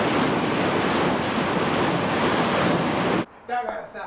だからさ